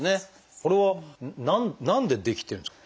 これは何で出来てるんですか？